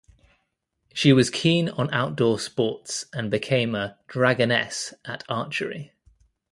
She was keen on outdoor sports and became a "Dragoness" at archery.